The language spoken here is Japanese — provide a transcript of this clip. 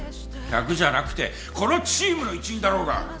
客じゃなくてこのチームの一員だろうが！